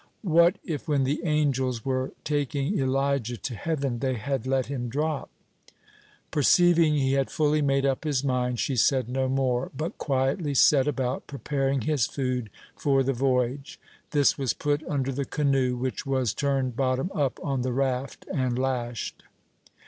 "What, if when the angels were taking Elijah to heaven, they had let him drop?" Perceiving he had fully made up his mind, she said no more, but quietly set about preparing his food for the voyage. This was put under the canoe, which was turned bottom up on the raft, and lashed.